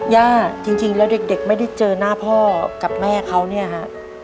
ย่าจริงแล้วเด็กไม่ได้เจอหน้าพ่อกับแม่เขาเนี่ยฮะ